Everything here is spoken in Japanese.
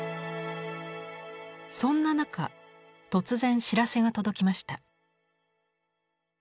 そんな中突然知らせが届きました。